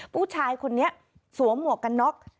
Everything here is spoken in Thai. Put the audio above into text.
ผู้ชายคนนี้สวมหมวกกันน็อก